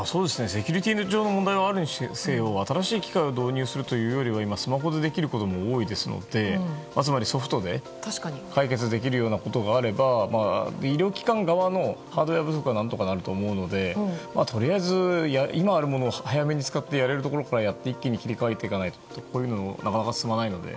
セキュリティー上の問題があるにせよ新しい機械を導入するというよりかは今、スマホでできることも多いですので、つまりソフトで解決できるようなことがあれば医療機関側のハードウェア不足は何とかなると思うのでとりあえず今あるものを早めに使ってやれるところからやって一気に切り替えないとこういうのはなかなか進まないので。